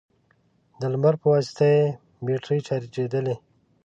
د لمر په واسطه يې بېټرۍ چارجېدلې،